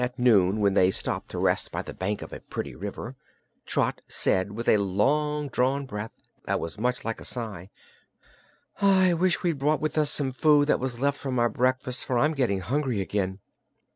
At noon, when they stopped to rest by the bank of a pretty river, Trot said with a long drawn breath that was much like a sigh: "I wish we'd brought with us some of the food that was left from our breakfast, for I'm getting hungry again."